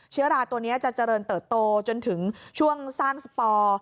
เชื้อราตัวนี้จะเจริญเติบโตจนถึงช่วงสร้างสปอร์